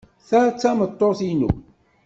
Ta d tameṭṭut-inu.